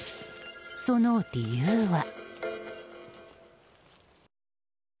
その理由は。